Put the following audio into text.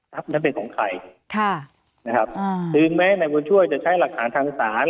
ทรัพย์นั้นเป็นของใครค่ะนะครับอ่าถึงแม้ในวันช่วยจะใช้หลักฐานทางสาร